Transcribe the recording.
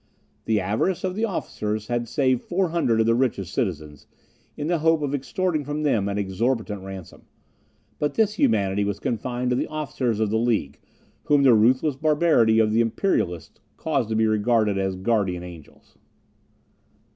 The avarice of the officers had saved 400 of the richest citizens, in the hope of extorting from them an exorbitant ransom. But this humanity was confined to the officers of the League, whom the ruthless barbarity of the Imperialists caused to be regarded as guardian angels.